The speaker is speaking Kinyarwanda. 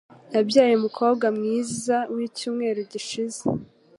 Yabyaye umukobwa mwiza wicyumweru gishize.